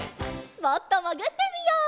もっともぐってみよう。